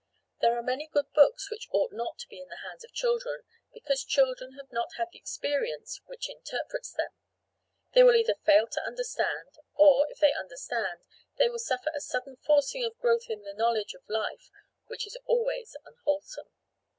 There are many good books which ought not to be in the hands of children because children have not had the experience which interprets them; they will either fail to understand, or if they understand, they will suffer a sudden forcing of growth in the knowledge of life which is always unwholesome.